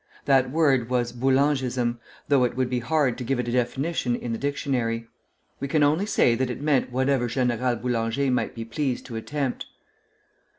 That word was boulangisme, though it would be hard to give it a definition in the dictionary. We can only say that it meant whatever General Boulanger might be pleased to attempt.